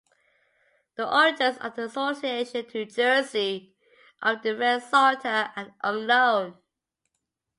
The origins of the association to Jersey of the red saltire are unknown.